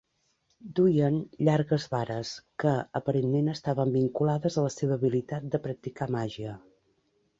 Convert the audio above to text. Duien llargues vares, que aparentment estaven vinculades a la seva habilitat de practicar màgia.